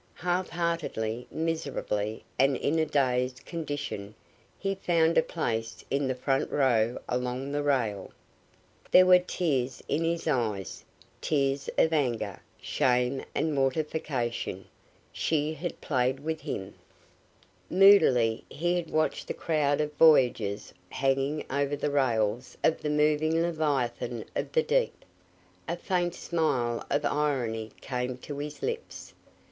Half heartedly, miserably and in a dazed condition he found a place in the front row along the rail. There were tears in his eyes, tears of anger, shame and mortification. She had played with him! Moodily he watched the crowd of voyagers hanging over the rails of the moving leviathan of the deep. A faint smile of irony came to his lips.